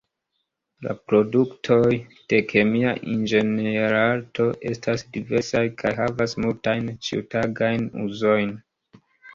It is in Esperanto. La produktoj de kemia inĝenierarto estas diversaj kaj havas multajn ĉiutagajn uzojn.